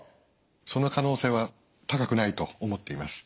その可能性は高くないと思っています。